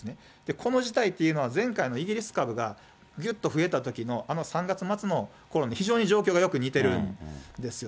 この事態っていうのは、前回のイギリス株が、ぐっと増えたときの、あの３月末のころに非常に状況がよく似てるんですよ。